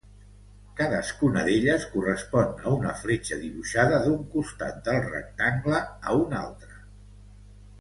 Cadascuna d'elles correspon a una fletxa dibuixada d'un costat del rectangle a un altre.